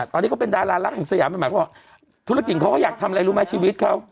ตอนนี้เขาเป็นดารารักแห่งสยามมันหมายความว่าธุรกิจเขาก็อยากทำอะไรรู้ไหมชีวิตเขา